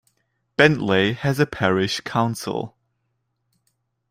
Bentley has a parish council.